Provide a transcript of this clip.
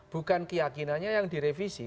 bukan keyakinannya yang direvisi